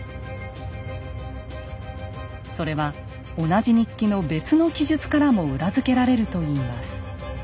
それは同じ日記の別の記述からも裏付けられるといいます。